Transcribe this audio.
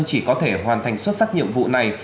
chỉ có thể hoàn thành xuất sắc nhiệm vụ này